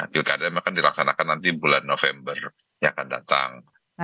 pilkada memang akan dilaksanakan nanti bulan november yang akan datang